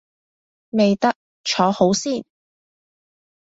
未得，坐好先